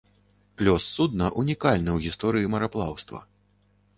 Лёс судна ўнікальны ў гісторыі мараплаўства.